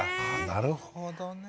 なるほどね。